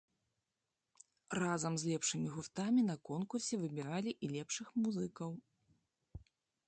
Разам з лепшымі гуртамі на конкурсе выбіралі і лепшых музыкаў.